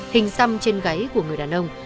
hình xăm trên gáy của người đàn ông